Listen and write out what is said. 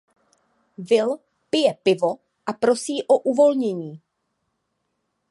Will pije pivo a prosí o uvolnění.